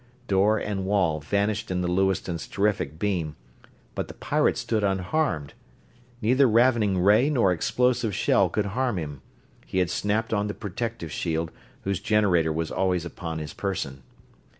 Door and wall vanished in the Lewiston's terrific beam, but the pirate stood unharmed. Neither ravening ray nor explosive shell could harm him he had snapped on the protective shield whose generator was always upon his person.